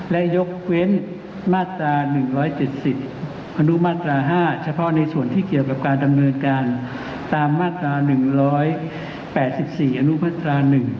และยกเว้นมาตรา๑๗๐อนุมาตรา๕เฉพาะในส่วนที่เกี่ยวกับการดำเนินการตามมาตรา๑๘๔อนุมาตรา๑